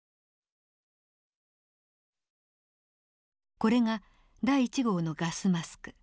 これが第１号のガスマスク。